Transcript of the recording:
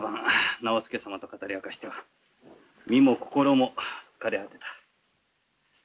直弼様と語り明かしては身も心も疲れ果てた。